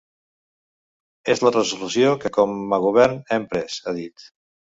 És la resolució que com a govern hem pres, ha dit.